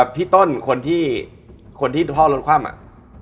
พี่ต้นคนที่พ่อรถคว่ำ